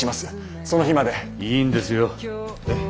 いいんですよ。